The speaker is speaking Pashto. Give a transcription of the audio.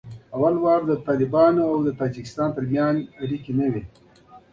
لومړی د طالبانو او تاجکستان تر منځ اړیکې نه وې